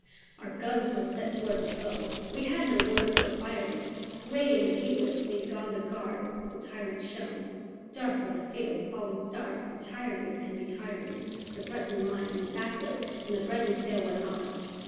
Our guns were set toward the foe; we had no word, for firing. Grey in the gateway of St. Gond the Guard of the tyrant shone; Dark with the fate of a falling star, retiring and retiring, The Breton line went backward and the Breton tale went on.